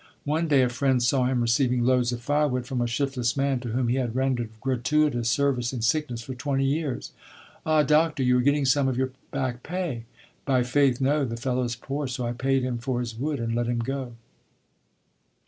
One day a friend saw him receiving loads of firewood from a shiftless man to whom he had rendered gratuitous service in sickness for twenty years. "Ah, doctor! you are getting some of your back pay." "By faith! no; the fellow is poor, so I paid him for his wood, and let him go."